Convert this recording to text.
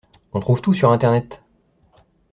On trouve tout sur internet!